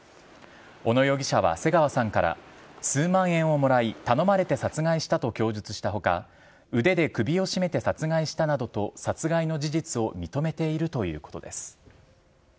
小野容疑者は瀬川さんから数万円をもらい、頼まれて殺害したと供述したほか、腕で首を絞めて殺害したなどと、殺害の事実を認めているということです。